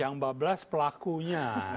yang kebablasan adalah pelakunya